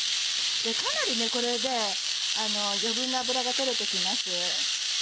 かなりこれで余分な脂が取れて来ます。